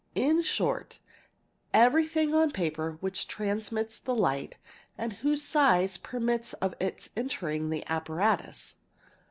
in short everything on paper which transmits the light and whose size permits of its entering the apparatus.